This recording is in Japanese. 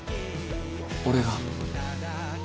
俺が？